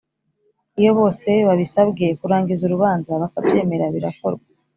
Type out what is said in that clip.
Iyo bose babisabwe kurangiza urubanza bakabyemera birakorwa